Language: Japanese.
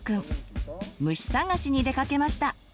虫探しに出かけました。